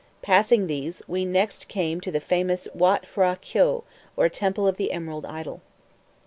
Passing these, we next came to the famous Watt P'hra Këau, or temple of the Emerald Idol.